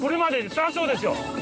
そりゃそうですよ。